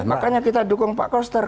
makanya kita dukung pak koster